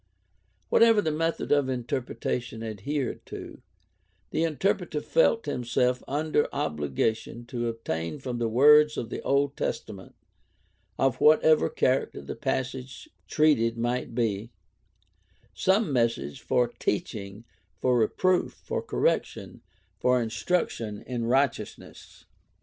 Whatever the method of interpretation adhered to, the interpreter felt himself under obligation to obtain from the words of the Old Testament, of whatever character the passage treated might be, some message "for teaching, for reproof, for correction, for instruction in right eousness."